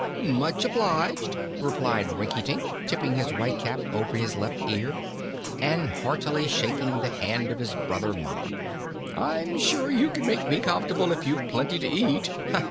"Much obliged," answered Rinkitink, tipping his white cap over his left ear and heartily shaking the hand of his brother monarch. "I'm sure you can make me comfortable if you've plenty to eat.